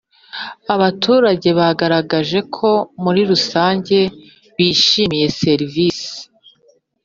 Abaturage bagaragaje ko muri rusange bishimiye serivisi